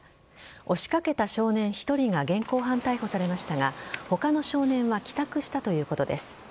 押しかけた少年１人が現行犯逮捕されましたが他の少年は帰宅したということです。